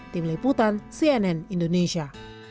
tim liputan cnn indonesia